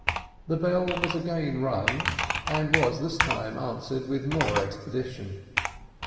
The bell was again rung, and was this time answered with more expedition.